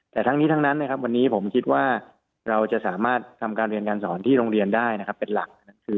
แต่ทั้งนี้ทั้งนั้นนะครับวันนี้ผมคิดว่าเราจะสามารถทำการเรียนการสอนที่โรงเรียนได้นะครับเป็นหลัก